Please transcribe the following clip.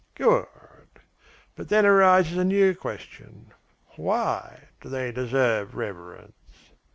"Good. But then arises a new question: Why do they deserve reverence?"